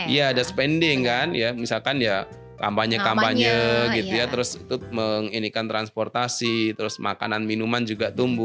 ya ada spending kan ya misalkan ya kampanye kampanye gitu ya terus inikan transportasi terus makanan minuman juga tumbuh